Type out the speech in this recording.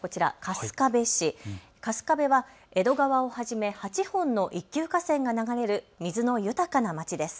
春日部は江戸川をはじめ８本の一級河川が流れる水の豊かな町です。